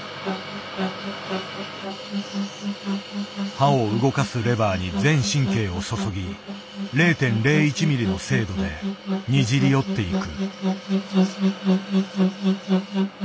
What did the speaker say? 刃を動かすレバーに全神経を注ぎ０．０１ミリの精度でにじり寄っていく。